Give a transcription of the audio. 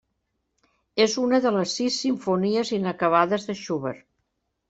És una de les sis simfonies inacabades de Schubert.